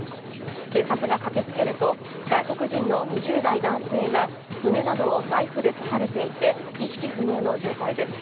警察が駆けつけると外国人の２０代男性が胸などをナイフで刺されていて意識不明の重体です。